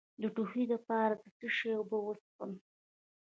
د ټوخي لپاره د څه شي اوبه وڅښم؟